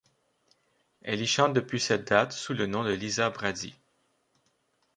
Elle y chante depuis cette date sous le nom de Liza Brady.